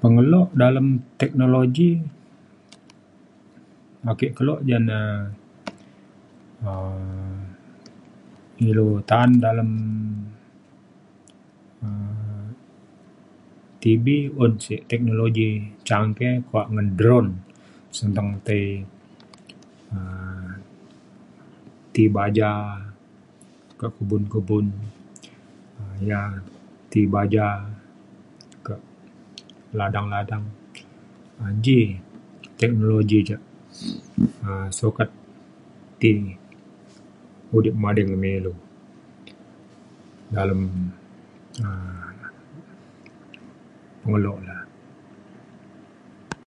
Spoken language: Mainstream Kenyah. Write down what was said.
Pengelo dalem teknologi ake kelo ja na um ilu ta’an dalem um TB un sek teknologi canggih kuak ngan drone senang tei um ti baja ke kebun kebun um ia’ ti baja kak ladang ladang. Ji teknologi ja um sukat ti udip mading me ilu dalem um pengelo da.